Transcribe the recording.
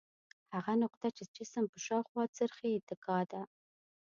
هغه نقطه چې جسم په شاوخوا څرخي اتکا ده.